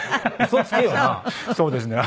そうですね。